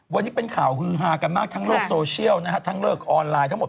วันนี้เป็นข่าวฮือฮากันมากทั้งโลกโซเชียลนะฮะทั้งโลกออนไลน์ทั้งหมด